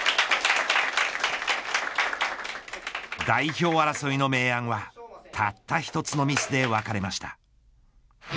代表争いの明暗はたった１つのミスで絶たれました。